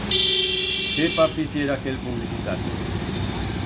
Qué papis yera aquel publicitario!